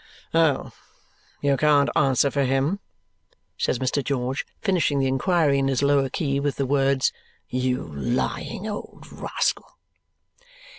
"Oh! You can't answer for him?" says Mr. George, finishing the inquiry in his lower key with the words "You lying old rascal!"